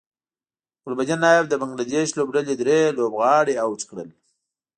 ګلبدین نایب د بنګلادیش لوبډلې درې لوبغاړي اوټ کړل